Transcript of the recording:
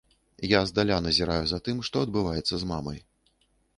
Я здаля назіраю за тым, што адбываецца з мамай.